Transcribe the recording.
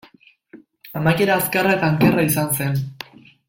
Amaiera azkarra eta ankerra izan zen.